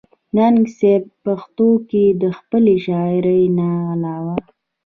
ننګ صېب پښتو کښې َد خپلې شاعرۍ نه علاوه